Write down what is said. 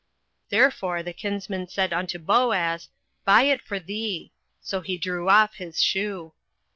08:004:008 Therefore the kinsman said unto Boaz, Buy it for thee. So he drew off his shoe.